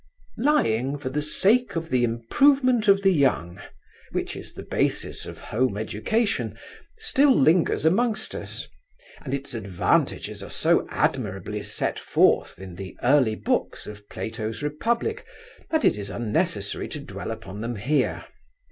Lying for the sake of the improvement of the young, which is the basis of home education, still lingers amongst us, and its advantages are so admirably set forth in the early books of Plato's Republic that it is unnecessary to dwell upon them here.